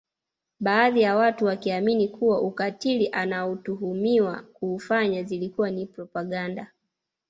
Baadhi ya watu wakiamini kuwa ukatili anaotuhumiwa kuufanya zilikuwa ni propaganda